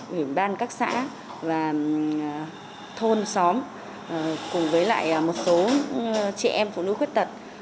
ủy ban các xã và thôn xóm cùng với lại một số chị em phụ nữ khuyết tật